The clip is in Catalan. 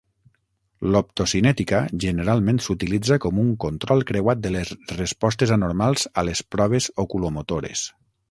L'optocinètica generalment s'utilitza com un control creuat de les respostes anormals a les proves oculomotores.